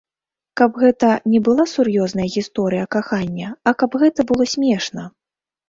Каб гэта не была сур'ёзная гісторыя кахання, а каб гэта было смешна.